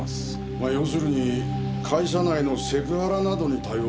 まあ要するに会社内のセクハラなどに対応する部署。